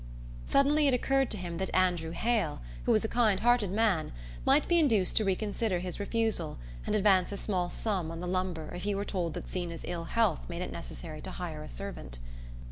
Suddenly it occurred to him that Andrew Hale, who was a kind hearted man, might be induced to reconsider his refusal and advance a small sum on the lumber if he were told that Zeena's ill health made it necessary to hire a servant.